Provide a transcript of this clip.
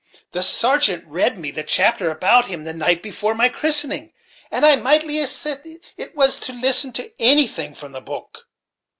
The sargeant read me the chapter about him, the night before my christening, and a mighty asement it was to listen to anything from the book."